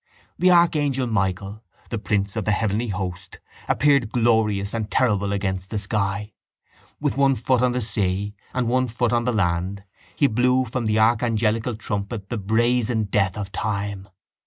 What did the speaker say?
The archangel Michael, the prince of the heavenly host, appeared glorious and terrible against the sky. With one foot on the sea and one foot on the land he blew from the archangelical trumpet the brazen death of time.